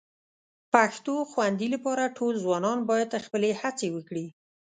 پښتو خوندي لپاره ټول ځوانان باید خپلې هڅې وکړي